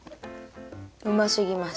うますぎます。